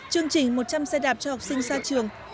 chương trình một trăm linh xe đạp cho học sinh xa trường